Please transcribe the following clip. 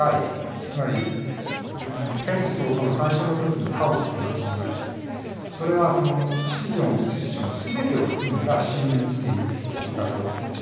つまり天地創造の最初の時にカオスっていうのが存在してそれは秩序も無秩序もすべてを含んだ深淵っていう言い方をしてますね。